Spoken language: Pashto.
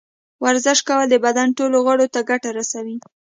ورزش کول د بدن ټولو غړو ته ګټه رسوي.